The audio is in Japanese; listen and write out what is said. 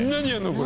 これ。